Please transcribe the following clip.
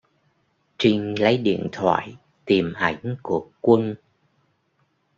Trinh lấy điện thoại Tìm ảnh của quân